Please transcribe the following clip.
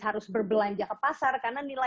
harus berbelanja ke pasar karena nilai